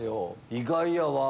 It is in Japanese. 意外やわ。